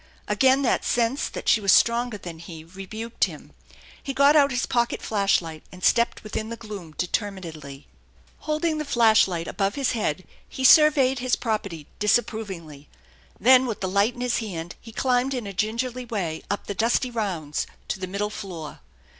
Again that sense that she was stronger than he rebuked him. He got out his pocket flash light and stepped within the gloom determinedly. Holding the flash light above his head, he surveyed his property disap 46 THE ENCHANTED BARN provingly; then with the light in his hand he climbed ID a gingerly way up the dusty rounds to the middle floor.